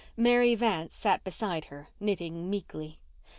Mary Vance sat beside her, knitting meekly.